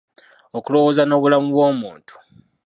Okulowooza n'obulamu bw'omuntu